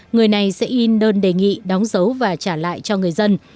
người này sẽ in đơn đề nghị đóng dấu và trả lại cho người dân